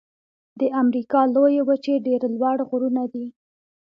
د امریکا لویې وچې ډېر لوړ غرونه دي.